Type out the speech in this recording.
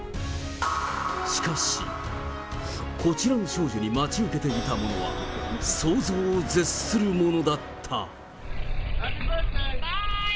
しかし、こちらの少女に待ち受けていたものは、想像を絶するものだった。